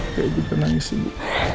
aku juga nangis ibu